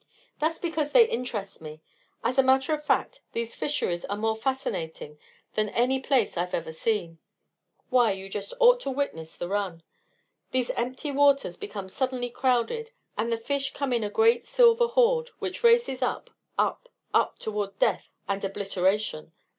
"That's because they interest me. As a matter of fact, these fisheries are more fascinating than any place I've ever seen. Why, you just ought to witness the 'run.' These empty waters become suddenly crowded, and the fish come in a great silver horde, which races up, up, up toward death and obliteration.